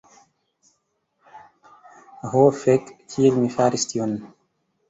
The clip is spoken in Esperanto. Ho fek' kiel mi faris tion